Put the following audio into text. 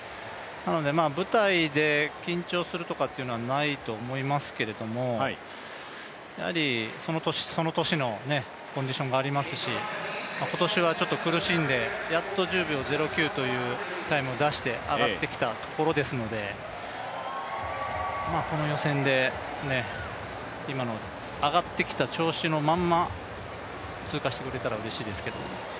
舞台で緊張するとかというのはないと思いますけれども、やはりその年、その年のコンディションがありますし今年はちょっと苦しんでやっと１０秒０９というタイムを出して上がってきたところですので、この予選で今の上がってきた調子のまま通過してくれたらうれしいですけど。